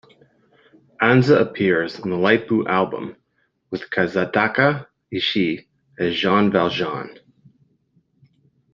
Anza appears on the light blue album with Kazutaka Ishii as Jean Valjean.